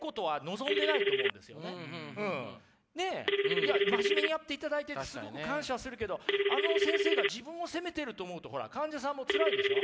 いや真面目にやっていただいててすごく感謝はするけどあの先生が自分を責めてると思うとほら患者さんもつらいでしょ？